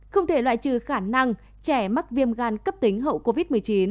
không thể loại trừ khả năng trẻ mắc viêm gan cấp tính hậu covid một mươi chín